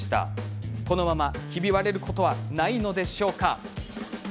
このまま、ひび割れることはないのか。